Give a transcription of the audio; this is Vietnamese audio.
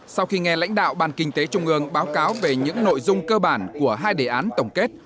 sau khi nghe lãnh đạo ban kinh tế trung ương báo cáo về những nội dung cơ bản của hai đề án tổng kết